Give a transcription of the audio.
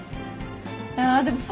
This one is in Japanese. いやでもさ。